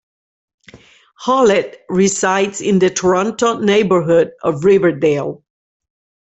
Hollett resides in the Toronto neighbourhood of Riverdale.